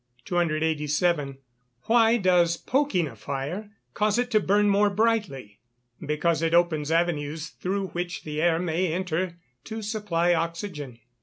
287. Why does poking a fire cause it to burn more brightly? Because it opens avenues through which the air may enter to supply oxygen.